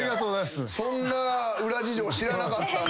そんな裏事情知らなかったんですけど。